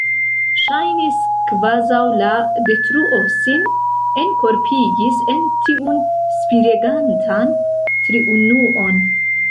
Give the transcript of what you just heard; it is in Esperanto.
Ŝajnis, kvazaŭ la Detruo sin enkorpigis en tiun spiregantan triunuon.